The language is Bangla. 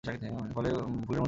তবে ফুলের মধুর প্রতি আসক্তি কম।